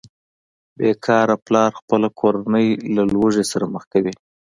بې کاره پلار خپله کورنۍ له لوږې سره مخ کوي